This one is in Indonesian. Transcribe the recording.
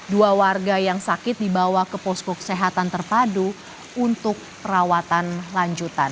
dua warga yang sakit dibawa ke posko kesehatan terpadu untuk perawatan lanjutan